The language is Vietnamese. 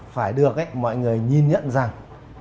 phải được mọi người nhìn nhận rằng